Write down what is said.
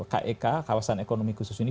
kek kawasan ekonomi khusus ini